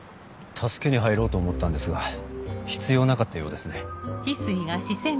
助けに入ろうと思ったんですが必要なかったようですね。